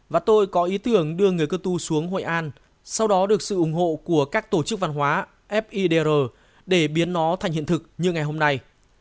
và tôi có ý tưởng đưa người cơ tu xuống hội an sau đó được sự ủng hộ của các tổ chức văn hóa fidr để biến nó thành hiện thực như ngày hôm nay